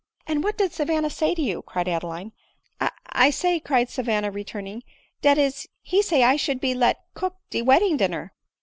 "And what did Savanna say to you?" cried Ade line. " J — j S xy» cr ; e( j s avanna returning, " dat is, he say, I should be let cook de wedding dinner."